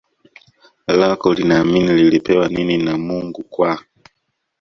lako linaamini lilipewa nini na Mungu kwa